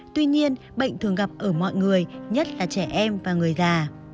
tuy nhiên bệnh thường gặp ở mọi người nhất là trẻ em và người già